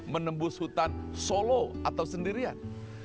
menembus hutan solo atau sendirian